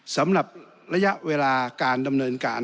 สำหรับระยะเวลาการดำเนินการ